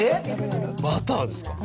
バターですか？